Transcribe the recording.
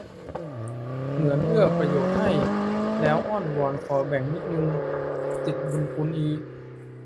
เหมือนเอื้อประโยชน์ให้ แล้วอ้อนวอนขอแบ่งนิดนึง ติดบุญคุณอีก